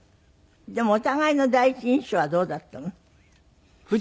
でもお互いの第一印象はどうだったの？